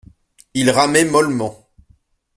Il ramait mollement.